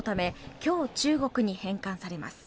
今日、中国に返還されます。